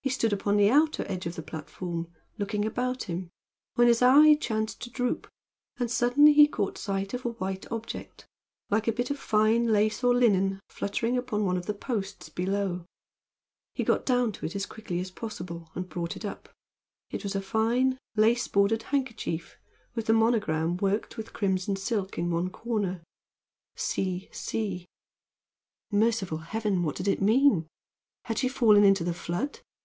He stood upon the outer edge of the platform, looking about him, when his eye chanced to droop, and suddenly he caught sight of a white object like a bit of fine lace or linen fluttering upon one of the posts below. He got down to it as quickly as possible and brought it up. It was a fine, lace bordered handkerchief with the monogram worked with crimson silk in one corner "C. C." Merciful heaven! What did it mean? Had she fallen into the flood?